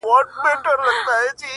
او هغه دا چې ورځي خو